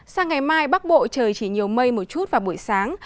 sang ngày mai bắc bộ trời chỉ nhiều mây một chút vào buổi sáng